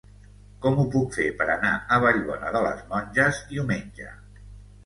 Com ho puc fer per anar a Vallbona de les Monges diumenge?